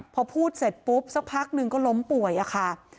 พอพูดเสร็จปุ๊บสักพักหนึ่งก็ล้มป่วยอะค่ะ